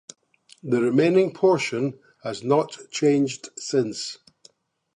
The remaining portion has not changed since.